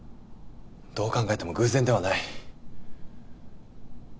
どう考えても偶然ではない。